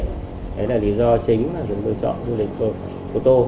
đấy là lý do chính mà chúng tôi chọn du lịch cô tô